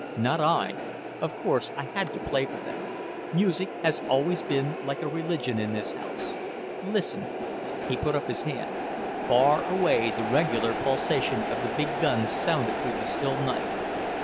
"Not I. Of course, I had to play for them. Music has always been like a religion in this house. Listen," he put up his hand; far away the regular pulsation of the big guns sounded through the still night.